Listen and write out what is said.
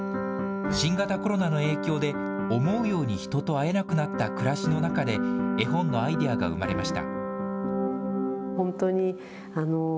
新型コロナの影響で、思うように人と会えなくなった暮らしの中で、絵本のアイデアが生まれました。